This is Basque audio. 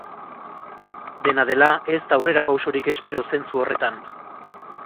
Dena dela, ez da aurrerapausorik espero zentzu horretan.